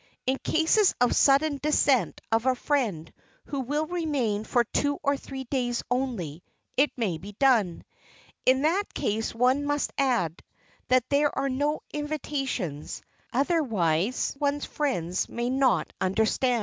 In case of the sudden descent of a friend who will remain for two or three days only it may be done. In that case one must add that there are no invitations, otherwise one's friends may not understand.